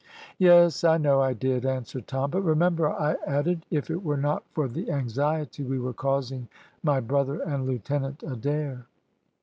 "Yes, I know I did," answered Tom, "but remember I added, if it were not for the anxiety we were causing my brother and Lieutenant Adair."